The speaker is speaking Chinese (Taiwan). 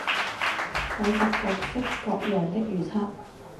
蒐集各式各樣的預測